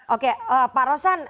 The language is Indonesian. oke pak rosan